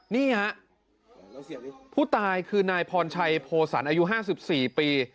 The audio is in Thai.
นี่ฮะผู้ตายคือนายพรชัยโพสันอายุ๕๔ปี